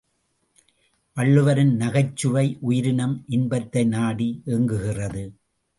வள்ளுவரின் நகைச்சுவை உயிரினம் இன்பத்தை நாடி ஏங்குகிறது.